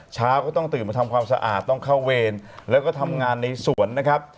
เช้าก็ต้องตื่นมาทำความสะอาดต้องเข้าเวรแล้วก็ทำงานในสวนนะครับ